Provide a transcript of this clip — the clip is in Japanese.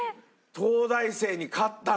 東大生に勝ったんだよ。